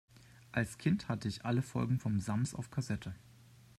Als Kind hatte ich alle Folgen vom Sams auf Kassette.